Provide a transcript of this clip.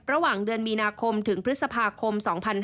ระหว่างเดือนมีนาคมถึงพฤษภาคม๒๕๕๙